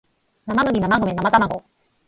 なまむぎなまごめなまたまご